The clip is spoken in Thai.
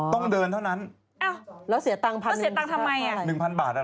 ก็เดินเหมือนกันครับ